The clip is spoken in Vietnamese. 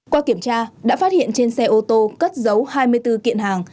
qua kiểm tra đã phát hiện trên xe ô tô cất dấu hai mươi bốn kiện hàng